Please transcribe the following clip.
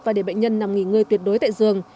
và để bệnh nhân nằm nghỉ ngơi tuyệt đối tại giường